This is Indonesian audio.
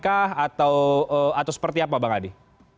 atau seperti apa bang adi